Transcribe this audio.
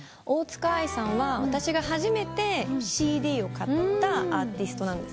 大塚愛さんは私が初めてＣＤを買ったアーティストなんです。